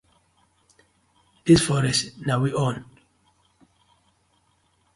Dis forest na we own.